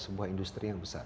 sebuah industri yang besar